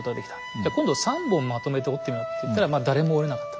じゃ今度三本まとめて折ってみろって言ったら誰も折れなかった。